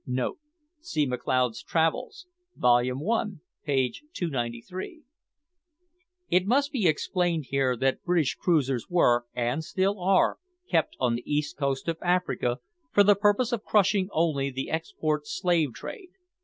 [See McLeod's Travels, volume one page 293.] It must be explained here that British cruisers were, and still are, kept on the east coast of Africa, for the purpose of crushing only the export slave trade.